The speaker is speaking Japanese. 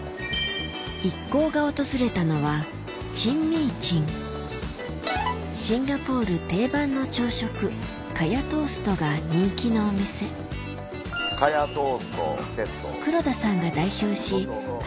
一行が訪れたのはシンガポール定番の朝食カヤトーストが人気のお店カヤトーストセット。